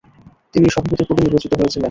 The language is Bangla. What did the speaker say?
তিনি সভাপতির পদে নির্বাচিত হয়েছিলেন।